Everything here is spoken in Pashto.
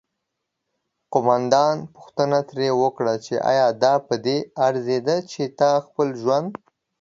قوماندان پوښتنه ترې وکړه چې آیا دا پدې ارزیده چې ته خپل ژوند